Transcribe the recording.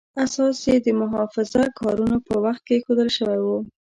اساس یې د محافظه کارانو په وخت کې ایښودل شوی و.